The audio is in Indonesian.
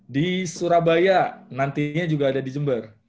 di surabaya nantinya juga ada di jember